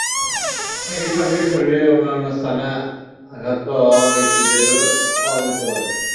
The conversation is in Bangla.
একই সঙ্গে শরীরের অন্যান্য স্থানে আঘত পাওয়া আহত ব্যক্তিদেরও পাওয়া যেতে পারে।